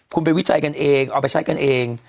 คุณไปวิจัยกันเองเอาไปใช้กันเอง